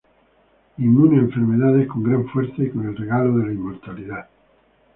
Inmune a enfermedades, con gran fuerza y con el regalo de la inmortalidad.